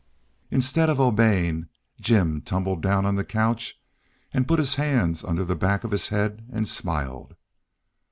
Instead of obeying, Jim tumbled down on the couch and put his hands under the back of his head and smiled.